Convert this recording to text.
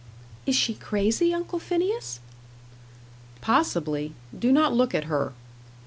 "Is she crazy, Uncle Phineas?" "Possibly. Do not look at her."